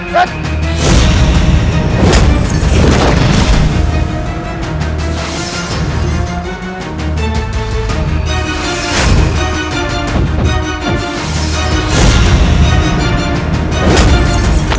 kau mau kemana